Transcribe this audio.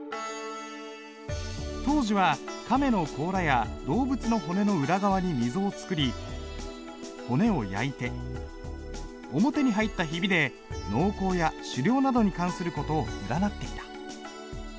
当時は亀の甲羅や動物の骨の裏側に溝を作り骨を焼いて表に入ったひびで農耕や狩猟などに関する事を占っていた。